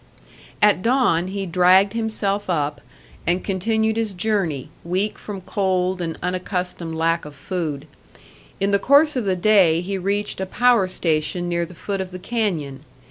At dawn he dragged himself up, and continued his journey, weak from cold and unaccustomed lack of food. In the course of the day he reached a power station near the foot of the canyon.